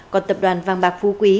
còn tập đoàn vàng bạc phu quý